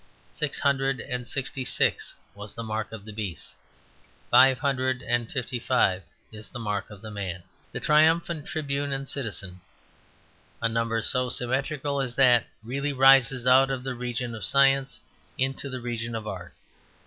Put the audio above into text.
Six hundred and sixty six was the Mark of the Beast. Five hundred and fifty five is the Mark of the Man; the triumphant tribune and citizen. A number so symmetrical as that really rises out of the region of science into the region of art.